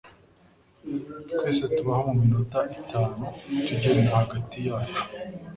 Twese tubaho muminota itanu tugenda hagati yacu.